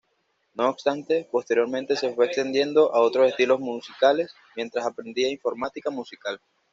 No obstante, posteriormente se fue extendiendo a otros estilos musicales, mientras aprendía informática musical.